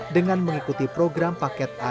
dengan mengikuti program paket a